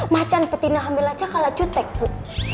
macan petina hamil aja kalah cutek bu